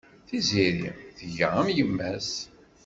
Tiziri tga am yemma-s.